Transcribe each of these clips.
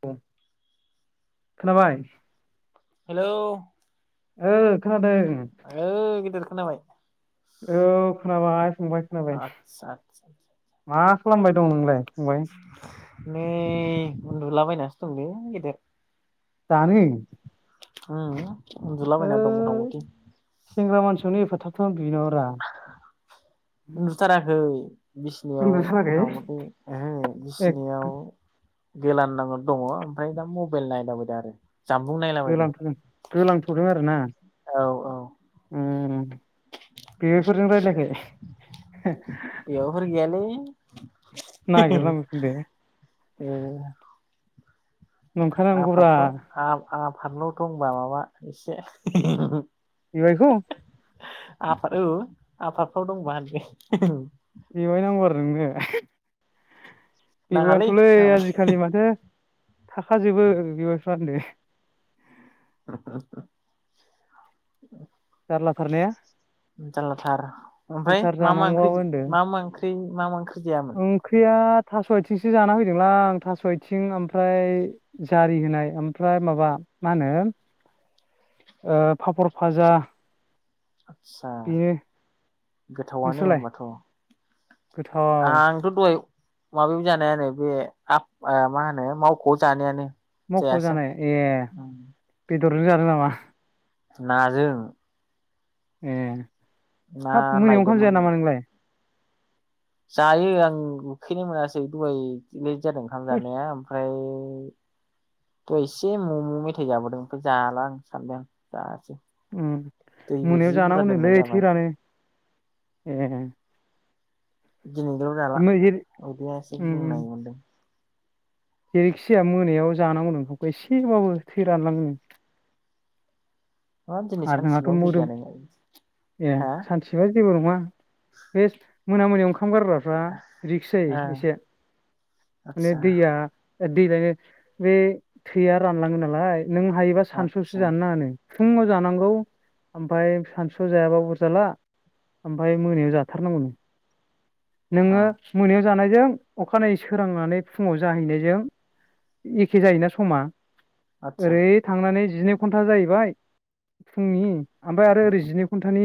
बुं खोनाबाय हेलौ ओ खोनादो ओ गिदिर खोनाबाय। औ खोनाबाय फंबाय खोनाबाय आदसा आदसा मा खालामबाय दं नोंलाय? फंबाय नै उन्दुलाबायनासो दंलै गेदेर। दानो? ओं उन्दुलाबायना दं मटा ओइ मटि। सेंग्रा मानसियावनो एफा थाब थाब उन्दुयोनामाब्रा उन्दुथाराखै। बिसनियाव उन्दुथाराखै मटा मटि ओहो ए बिसनियाव गोलानलाना दङ ओमफ्राय दा मबाइल नायलाबायदो आरो। जामबुं नायलाबायदों गोलांथ' गोलांथ'दों आरो ना औ औ उम। उम बेवाइफोरजों रायलायाखै? बेयावफोर गैयालै नागिरनांगौफिनदो [unintelligible] नंखानांगौब्रा आफादफ्राव आफादल' दंबा माबा एसे बेवाइखौ आफाद औ आफादफ्राव दंबा होनदो बेवाइ नांगौ आरो नोंनो? बेवाइयान थ'लै नाङालै आजिखालि माथो थाखाजोबो बेवाइफ्रा [unintelligible] जारला थार ने? जानलाथार ओमफ्राय संसार मा मा ओंख्रि जानांगौआबो होनदो मा मा ओंख्रि मा मा ओंख्रि जायामोन ओंख्रिया? थास' आथिंसो जान फैदोंलां आं थास' आथिं ओमफ्राय जारि होनाय ओमफ्राय माबा मा होनो [inaudible] ओ फापर फाजा आस्सा गोथावआनो नोंसोरलाय होनमबाथ' गोथाव आंथ' दहाय माबायाव जानायानो बे मा होनो मावख'आव जानायानो मख' जायासै जानाय ए आं बेदरजों जादों नामा? नाजों। ए ना हाब मोनायाव ओंखाम लायदोंमोन जाया नामा नोंलाय? जायो आं उखैनाय मोनासै दहाय लेट जादों ओंखाम जानाया ओमफ्राय थ' एसे मम' मेथाइ जाबोदों ओमफ्राय जाला आं सानदों आं जायासै उम दैबो मोनायाव जि बुरजा जानांगौनोलै लोंनाय जाबाय। थैरानो ए दिनैजोंल' जाला जेरै उदिया एसे उम उम बुंनाय मोनदों। जेरैखि जाया मोनायाव जानांगौ ओंखामखौ एसेबाबो थै रानलांङोनो। हाब दिनै आरो सानसेल' जोंहाथ' देरि मोदोम जानाय ए हा सानसेबा जेबो नङा बे मोना मोनायाव ओं ओंखाम गारग्राफ्रा रिक्स जायो ओ एसे माने आतसा दैया दैलायनो बे थैया रानलाङो नालाय नों हायोबा सानसुसो आतसा जानो नाङानो फुफुङाव जानांगौ ओमफ्राय सानसुआव जायाबाबो अरजाला ओमफाय मोनायाव जाथारनांगौनो। औ नोङो मोनायाव जानाय जों अखानायै सोरांनानै फुङाव जाहैनायजों एखे जायोना समा आतसा ओरै थांनानै जिनै घन्टा जाहैबाय फुंनि ओमफ्राय आरो ओरै जिनै घन्टानि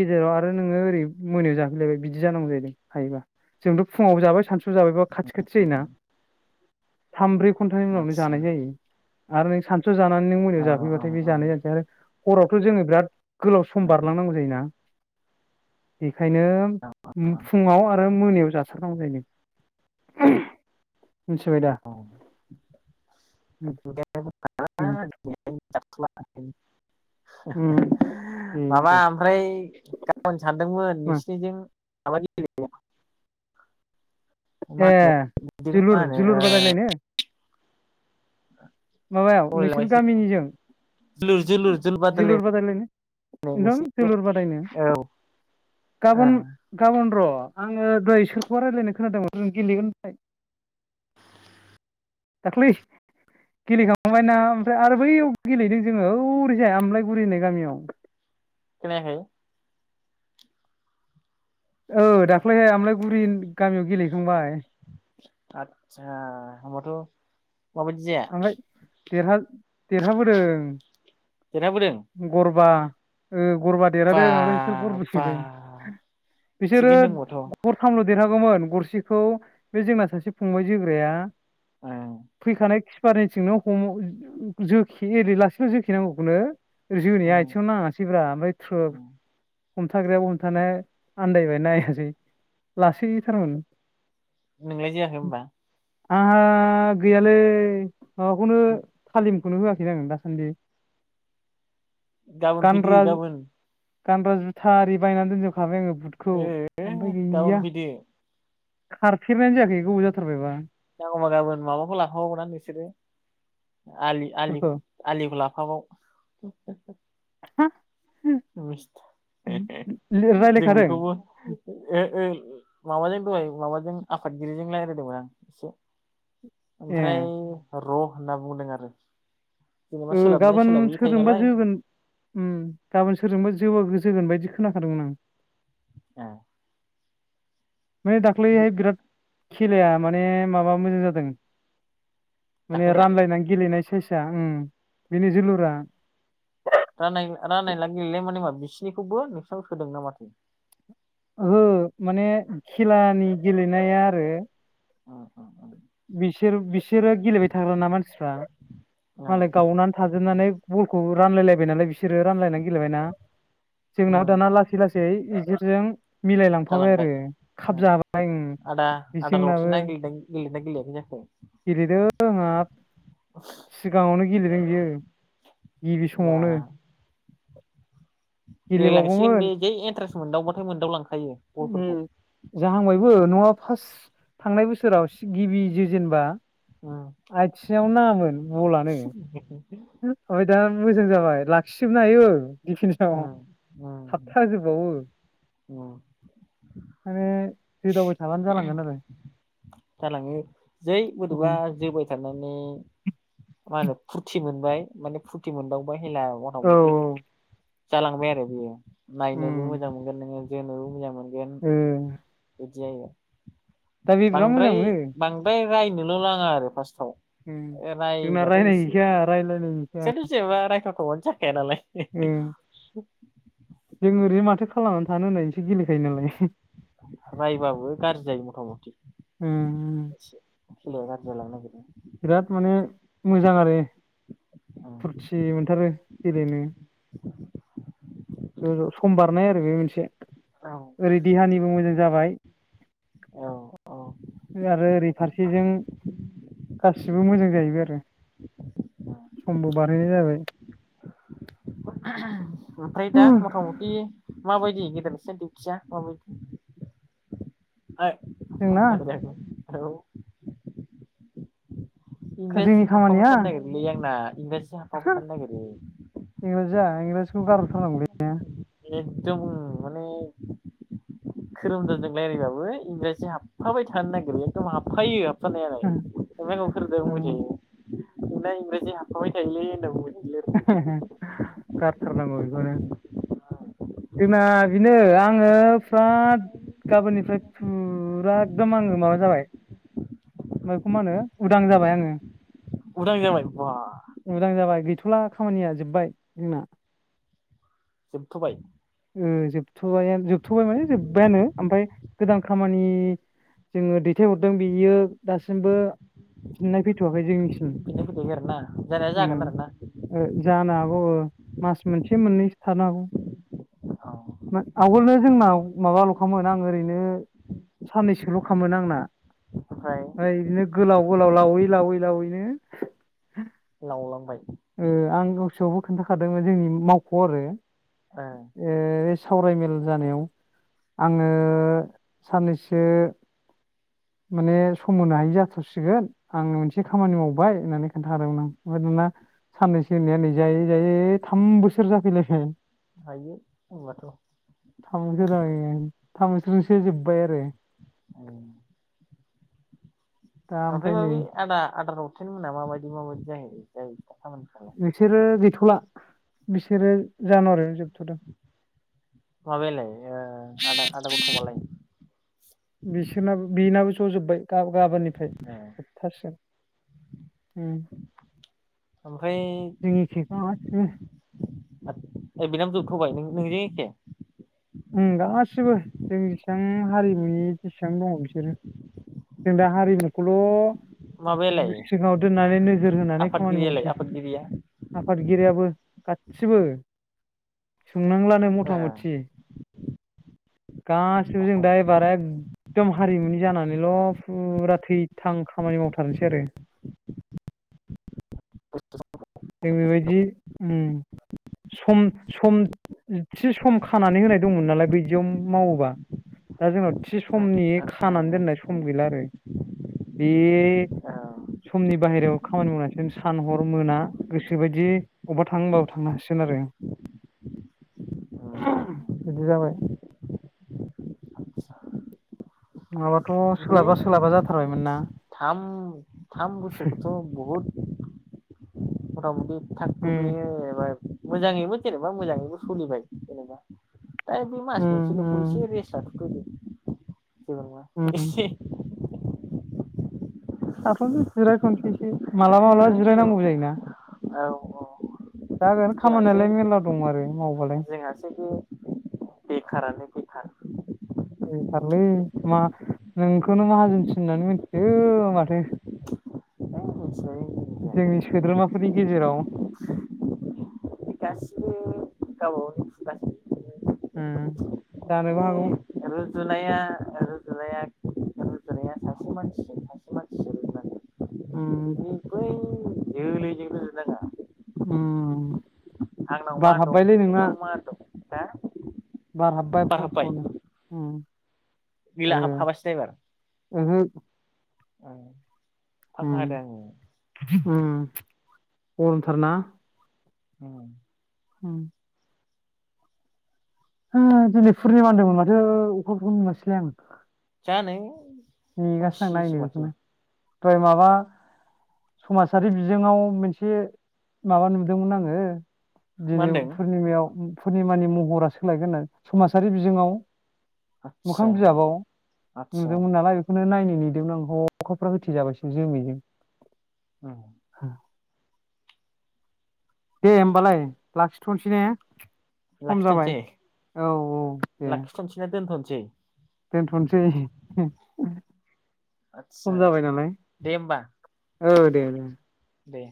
गेजेराव आरो नोङो ओरै मोनायाव जाफैलायबाय बिदि जानांगौ जाहैदों। हायोबा जोंथ' फुङावबो जाबाय सानसु जाबायबा खाथि खाथि जायोना थामब्रै घन्टानि उनावनो आतसा जानाय जायो। आरो नों सानस' जानानै नों मोनायाव औ औ जाफैबाथाय बे औ जानाय जानोसै आरो हरावथ' जोङो बिराद गोलाव सम बारलांनांगौ जायोना ओंखायनो फुङाव आरो मोनायाव जाथारनांगौ जायो नो। मिथिबाय दा? औ [unintelligible] दे [unintelligible] माबा दे ओमफ्राय गाबोन सानदोंमोन मा नोंसिनिजों [unintelligible] ए होनो बिदिखौ मा जोलुर होनो ओ जोलुर बादायलायनो। माबायाव नोंसोर बावलायलांबायसो गामिनिजों। जोलुर जोलुर जोलुर बादायलायनाय बादायलायनो नोंसि नोंथां जोलुर बादायनो? औ गाबोन गाबोन र' आङो दहाय सोरखौबा रायज्लायनाय खोनादोंमोन नों गेलेगोनहोननाय। दाक्लै। गेलेखांबायना ओमफ्राय आरो बैयाव गेलेदों जोङो औरैजाय आमलायगुरि होननाय गामियाव। खोनायाखै। औ दाख्लैहाय आमलायगुरि गामियाव गेलेखांबाय। आदसा होमबाथ'। माबायदि जाया ओमफ्राय देरहा देरहाबोदों। देरहाबोदों गरबा ओ गरबा बा देरहादों ओमफ्राय बिसोर गरब्रै बा सोदों बिसोरो थिगैनो दंबाथ' गरथामल? देरहागौमोन गरसेखौ बे जोंना सासे फंबाय जोग्राया ओं फैखानाय खि पारनिथिंनो हम जोखे एरै लासैनो जोखिनांगौखौनो। जोनाया ओं आथिंयाव नाङासैब्रा ओमफ्राय थ्रोब हमथाग्रायाबो हमथानाया आनन्दायबाय नायासै लासैथारमोन। नोंलाय जोयाखै होनबा। आंहा गैयालै माबाखौनो थालिम। खौनो होआखैना आं दासान्दि। गाबोन फैदो गानग्रा गाबोन। गानग्रा जुथा आरि बायनानै दोनजोबखाबाय आङो बुटखौ ओमफ्राय गाबोन गैया। फैदो खारफेरनायानो जायाखै गोबाव जाथारबायबा। होमबा गाबोन माबाखौ लाफाबाव ना नोंसोरो आलि सोरखौ आलिखौ ला? फाबाव। [unintelligible] मिसत जों रायलायखादों बेखौबो ओ ओ। माबाजों दहाय माबाजों आफादगिरिजों रायज्लायदोंमोन आं एसे ए ओमफ्राय र' होनना बुंदों आरो। जेनेबा ओ सोलाबनाय गाबोन सोलाबैबो थायो सोरजोंबा नालाय जोगोन उम गाबोन सोरजोंबा। जोबो गोजोगोन बायदि खोनाखादोंमोन आं। ए माने दाख्लैहाय बिराद खेलाया माने माबा मोजां जादों। माने दाख्लैना रानलायनानै गेलेनाय साइसआ बिनि जोलुरा। रा रानलायना गेलेनाय माने मा बिसिनिखौबो नोंसिनाव सोदोंना माथो? ओहो माने खेलानि गेलेनाया आरो। बिसोर बिसोरो गेलेबाय थाग्राना मानसिफ्रा। मालाय गावनानै थाजोबनानै बलखौ रानलायलायबाय नालाय बिसोरो रानलायनानै गेलेबायना। जोंनाव दाना लासै लासै इसोरजों। मिलायलांफाबाय आरो जालांबाय खाब जाबाय बेजोंनाबो। ना गेलेयाखै जाखो? जोंहा सिगाङावनो गेलेदों बियो। गिबि बा समावनो। गेलेलांसिगोन गेलेबावगौमोन बे जै इन्टारेस्ट मोनदावबाथाय मोनदाव लांखा ओम जाहांबायबो न'आ। फार्स्ट थांनाय बोसोराव गिबि जो जेनेबा। उम आथिङावनो नाङामोन मलानो ओमफ्राय दा मोजां जाबाय लाखिजोबनो हायो दिफेन्चआव उम उम थाबथाहोजोबबावो। उम माने जोदावबाय थाबानो जालांगोन आरो। जालाङो जै बोरै'बा जोबाय थानानै। मा होनो फुरथि मोन। बाय माने फुरथि मोनदावबाय हेला मथा औ मथि जालांबाय आरो बेयो। नायनोबो उम मोजां मोनगोन नोङो जोनोबो मोजां मोनगोन। ओ। बिदि दा बे बिराद मोजां बांद्राय मोनो बांद्राय रायनोल' नांङा आरो फार्ट उम जोंना रायबाथाय रायलाय हैखाया रायलायनाय हैखाया एसेयाथ जेनेबा रायथावथावआनो जाखाया नालाय उम [inaudible] जों ओरैनो माथो खालामनानै थानो होननायसो गेलेखायो नालाय रायबाबो गाज्रि जायो मथा मथि उम सोलोआ गारजि जालांनो नागेरदों बिराद माने मोजां आरो। औ फुरथि मोनथारो गेलेनो। सम बारनाय आरो बे मोनसे ओरै देहानिबो मोजां जाबाय औ औ आरो ओरै फारसेजों गासिबो मोजां जाहैबाय आरो समबो बारहैनाय जाबाय ओमफ्राय दा मथा मथि माबायदि गेदेरसिन दिउथिया मा [unintelligible] [inaudible] औ जोंना जोंनि इंराजि हाबफाबाय खामानिया थानो नागिरोलै आंना इंराजि हाबफाबाय थानो नागिरो। बेखौ गारथार नांगौलौ। एकदम माने खोरोमदोनजों रायलायबाबो इंराजि हाबफाबाय थानो नागिरो एखदम हाबफायो सानायालाय ओमफाय खोरोदों उम बुंबाय थायो नोंना इंराजि हाबफाबाय थायोलै होनना बुंबाय थ गारथारनांगौ बेखौनो जोंना बिनो आंङो फराद गाबोननिफ्राय फुरा एकदम आंवो माबा जाबाय म बेखौ मा होनो उदां जाबाय आंङो उदां जाबाय बा फुरा खामानिया जोबबाय जोंना ‌। जोबथ'बाय। अ जोबथ'यानो जोबथ'बाय माने जोबबाय आंनो ओमफ्राय गोदान खामानि जोंङो दैथायहरदों बेयो दासिमबो फिननाय फैथ'वाखै जोंनि बिनो फैखायो आरोना जानाया जागोन आरोना जानो हागो मास मोनसे मोननैसो थारनांगौ औ आवगोलनो जोंनाव माबाल'खामोन आं ओरैनो साननैसोल' खामोन आंना। ओमफ्राय बिदिनो गोलाव गोलाव लावै लावै लावैनो लावलांबाय। गसोआवबो खोन्थाखादोंमोन जोंनि मावख' आरो अ ओ सावरायमेल जानायाव आंङो साननैसो [inaudible] माने सम होनो हायि जाथारसिगोन आं मोनसे खामानि मावबाय होननानै खोन्थादोंमोन आं ओमफ्राय दाना साननैसो नैया नै जायै जायै थाम बोसोर जाफैलायबाय। हायो होनबाथ' [unintelligible] थामसो जोबबाय आरो औ दा ओमफ्राय नै माबि आदा आदार दावथेन मोना माबायदि माबायदि जायो। खामानिफ्रालाय बिसोरो गैथ'ला बिसोरो जानुवारियावनो जो [inaudible] माबायालाय ओ आदा आदा गौथम आलाय? बिसोरनाबो बिनाबो ज' जोबबाय गाब गाबोननिफ्राय ए जोबथारसिगोन [inaudible] उम। ओमफ्राय जोंनि [unintelligible] ए बिनाम जोबथ'बाय नोंजों एखे? उम गासिबो जों जेसेबां हारिमुनि जेसेबां दङ बिसोरो। जों दा हारिमुखौल' माबायालाय सिगाङाव दोननानै नोजोर होनानै खामानि आफादगिरियालाय मावसै, आफादगिरिया आफादगिरियाबो गासिबो सोंनांलानो ए मथा मथि। गासिबो जों दा एबार एग एकदम हारिमुनि जानानैल' फुरा थैथां खामानि मावथारसै आरो। [unintelligible] खस्थ' जों बेबायदि उम सम सम थय [unintelligible] सम खानानै होनाय दंमोन नालाय बिदियाव मावोबा। दा जोंनाव थि समनि खानानै दोननाय सम गैला आरो। बे समनि बाहेरायाव खामानि मावनांसिगोन सान हर मोना गोसो बायदि अबेबा थाङो होनबाबो थांनो हासिगोन। आरो औ [inaudible] बिदि जाबाय नङाबाथ' बे सोलाबा सोलाबा जाथारबायमोन ना। थाम थामबोसोरखौथ' बहुत मथ मथि थाब उम थुगैनो मोजाङैनो जेनेबा मोजाङैबो सोलिबाय जेनेबा ओय बि मास उम मोनसेल'खौ उम एसे रेसार उम [unintelligible] दाथ' जिराय थनोसैसो एसे मालाबा माबलाबा जेबो जिरायनांगौबो जायोना। औ औ जागोन जोंहासो खामानियालाय मेर्ला दं आरो मावबालाय। बेेखारानो बेेखार बेखारलै मा नोंखौनो माहाजोन सिन होननानै मिथियो माथो। है मिथिनानै जोंनि सोद्रोमाफोरनि गेजेराव गासिबो गावबा उम गावनिसोबा। [inaudible] जानोबो माने हागौ रुजुनाया रुजुनाया रुजुनाया सासे मानसि सासे मानसिजों [unintelligible] उम गोरलैजों रुजुनाङा। उम आंनाव [inaudible] बार मा दं हाबबायलै नोंना। नोंनाव मा दं हा बार हाबबाय फ फनो। उम गैला ओ [unintelligible] एबार ओहो फांखा उम होदों आङो उम गरमथार ना? औ हुम हो दिनै पुर्निमा होनदोंमोन माथो अखाफोरखौनो नुवासैलाय आङो। जानो नेगासिनों नायनो खोमसिसो माथो बेखौनो दहय माबा समाजारि बिजोङाव मोनसे माबा नुदोंमोन आङो मा दिनै होनदों पुर्निमायाव पुर्निमानि महरा सोलायगोन आरो समाजारि बिजोङाव मोखां आदसा बिजाबाव आदसा नुदोंमोन नालाय नो नायनो नेदोंमोन आं अखाफ होथि जाबायसो जोमैजों औ दे होमबालाय लाखिथ'नोसै ने सम जाबाय लाखिथ'नोसै औ औ दे लाखिथ'नोसै ना दोनथ'नोसै दोनथ'नोसै आदसा खम जाबाय नालाय दे होमबा औ दे दे दे